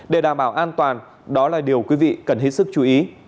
để đảm bảo an toàn đó là điều quý vị cần hết sức chú ý